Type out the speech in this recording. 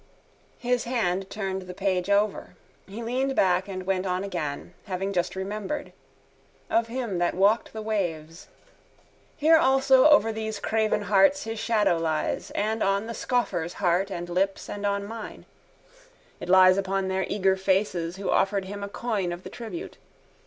His hand turned the page over. He leaned back and went on again, having just remembered. Of him that walked the waves. Here also over these craven hearts his shadow lies and on the scoffer's heart and lips and on mine. It lies upon their eager faces who offered him a coin of the tribute.